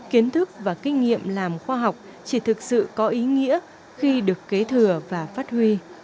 kiến thức và kinh nghiệm làm khoa học chỉ thực sự có ý nghĩa khi được kế thừa và phát huy